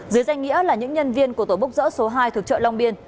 dưới danh nghĩa là những nhân viên của tổ bốc dỡ số hai thuộc chợ long biên